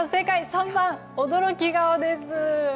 ３番、驚き顔です。